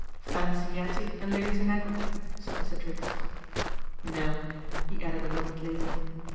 Fancy 'Ettie and Lady Tanagra !" said Mr. Triggs. " No," he added a moment later.